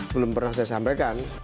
belum pernah saya sampaikan